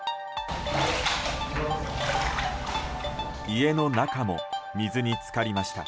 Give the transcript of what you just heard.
家の中も水に浸かりました。